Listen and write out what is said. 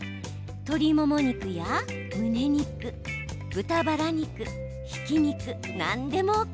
鶏もも肉やむね肉、豚バラ肉ひき肉、何でもＯＫ。